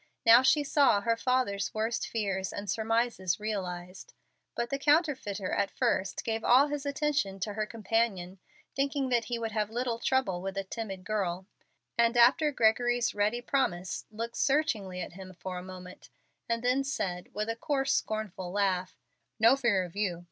Now she saw her father's worst fears and surmises realized. But the counterfeiter at first gave all his attention to her companion, thinking that he would have little trouble with a timid girl; and after Gregory's ready promise, looked searchingly at him for a moment, and then said, with a coarse, scornful laugh, "No fear of you.